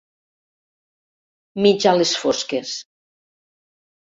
Mig a les fosques.